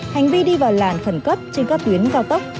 hành vi đi vào làn khẩn cấp trên các tuyến cao tốc